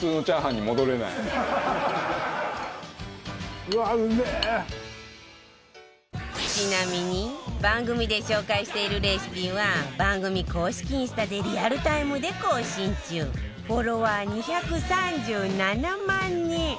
ちなみに番組で紹介しているレシピは番組公式インスタでリアルタイムで更新中フォロワー２３７万人。